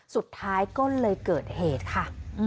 สุดท้ายก็เลยเกิดเหตุค่ะ